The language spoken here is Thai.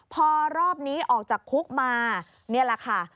พอรอบนี้ออกจากคุกมานี่แหละค่ะ